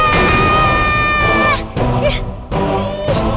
seandainya ketemu tapi ada berikut